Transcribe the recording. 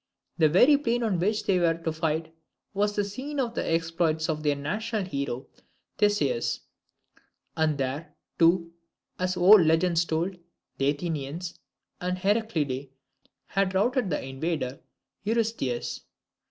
The very plain on which they were to fight was the scene of the exploits of their national hero, Theseus; and there, too, as old legends told, the Athenians and the Heraclidae had routed the invader, Eurystheus.